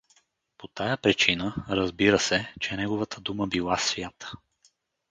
По тая причина, разбира се, че неговата дума била свята.